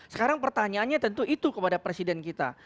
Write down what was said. sekarang pertanyaannya tentu itu kepada presiden kita